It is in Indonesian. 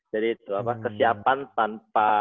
jadi itu apa kesiapan tanpa